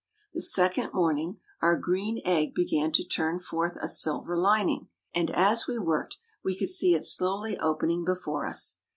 The second morning, our green egg began to turn forth a silver lining; and, as we worked, we could see it slowly opening before us.